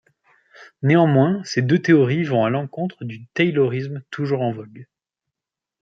Néanmoins, ces deux théories vont à l'encontre du taylorisme toujours en vogue.